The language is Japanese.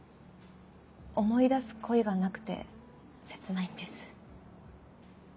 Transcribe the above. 思い出す恋がなくて切ないんです。